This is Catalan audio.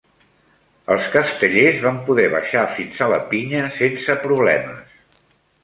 Els castellers van poder baixar fins a la pinya sense problemes.